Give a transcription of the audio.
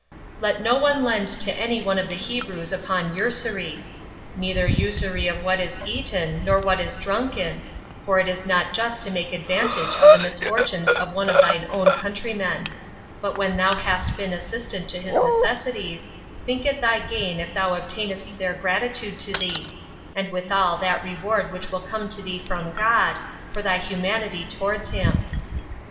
25. Let no one lend to any one of the Hebrews upon usury, neither usury of what is eaten or what is drunken, for it is not just to make advantage of the misfortunes of one of thy own countrymen; but when thou hast been assistant to his necessities, think it thy gain if thou obtainest their gratitude to thee; and withal that reward which will come to thee from God, for thy humanity towards him.